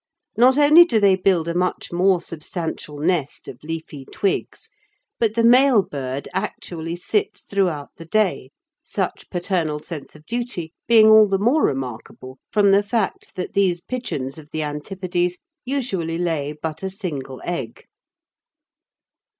Not only do they build a much more substantial nest of leafy twigs, but the male bird actually sits throughout the day, such paternal sense of duty being all the more remarkable from the fact that these pigeons of the Antipodes usually lay but a single egg.